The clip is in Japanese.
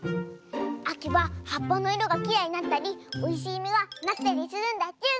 あきははっぱのいろがきれいになったりおいしいみがなったりするんだチュン！